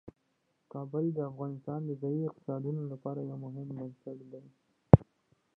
کابل د افغانستان د ځایي اقتصادونو لپاره یو مهم بنسټ دی.